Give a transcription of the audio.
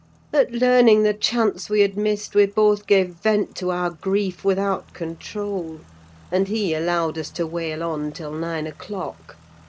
At learning the chance we had missed, we both gave vent to our grief without control; and he allowed us to wail on till nine o'clock.